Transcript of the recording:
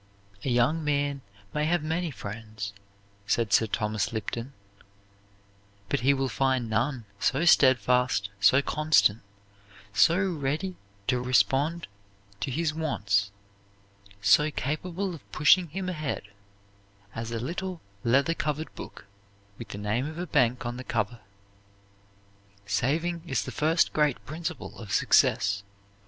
"A young man may have many friends," says Sir Thomas Lipton, "but he will find none so steadfast, so constant, so ready to respond to his wants, so capable of pushing him ahead, as a little leather covered book, with the name of a bank on the cover. Saving is the first great principle of success.